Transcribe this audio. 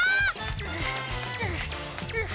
はあはあはあ。